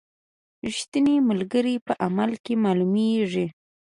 رښتینی ملګری په عمل کې معلومیږي.